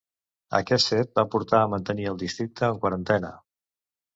Aquest fet va portar a mantenir el districte en quarantena.